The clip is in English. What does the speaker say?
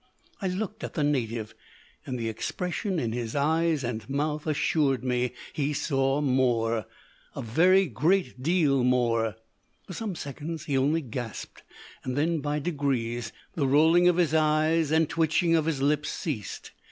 I looked at the native, and the expression in his eyes and mouth assured me he saw more a very great deal more. For some seconds he only gasped; then, by degrees, the rolling of his eyes and twitching of his lips ceased.